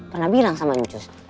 pernah bilang sama njus